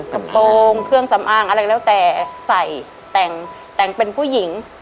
กระโปรงเครื่องสำอางอะไรแล้วแต่ใส่แต่งแต่งเป็นผู้หญิง